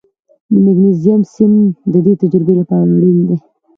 د مګنیزیم سیم د دې تجربې لپاره اړین دی.